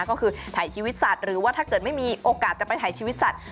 ก็คือถ่ายชีวิตสัตว์หรือว่าถ้าเกิดไม่มีโอกาสจะไปถ่ายชีวิตสัตว